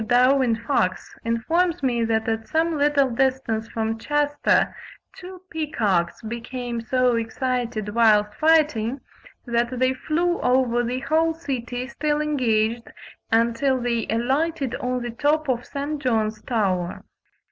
Darwin Fox informs me that at some little distance from Chester two peacocks became so excited whilst fighting, that they flew over the whole city, still engaged, until they alighted on the top of St. John's tower.